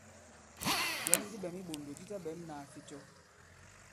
Jɔ̌m di ɓɛ̌m i iɓòndò di taɓɛ̌m nāa ficɔ.